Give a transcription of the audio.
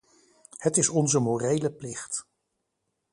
Het is onze morele plicht.